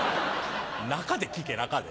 中で聞け中で。